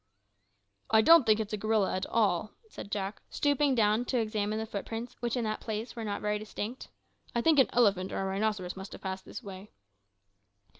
"I don't think it's a gorilla at all," said Jack, stooping down to examine the footprints, which in that place were not very distinct; "I think an elephant or a rhinoceros must have passed this way."